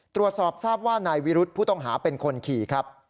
ตรวจสอบทราบว่านายวิรุธผู้ต้องหาเป็นคนขี่ครับ